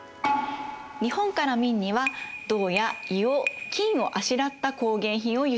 日本から明には銅や硫黄金をあしらった工芸品を輸出していました。